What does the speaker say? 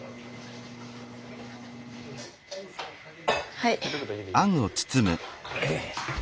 はい。